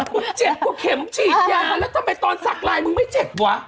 เจ็บกว่าเข็มฉีดยาแล้วทำไมตอนสักลายมึงไม่เจ็บวะ